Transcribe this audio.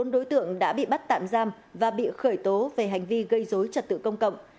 bốn đối tượng đã bị bắt tạm giam và bị khởi tố về hành vi gây dối trật tự công cộng